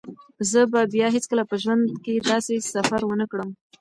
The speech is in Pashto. زه به بیا هیڅکله په خپل ژوند کې داسې سفر ونه کړم.